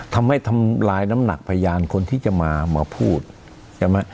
ทำให้ทำลายน้ำหนักพยานคนที่จะมามาพูดเห็นไหม